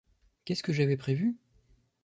Qu’est-ce que j’avais prévu ?